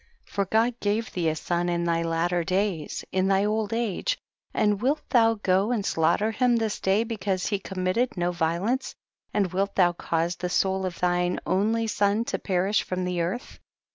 For God gave thee a son in thy latter days, in tiiy old age, and wilt thou go and slaughter him this day because he committed no vio lence, and wilt thou cause the soul of thine only son to perish from the earth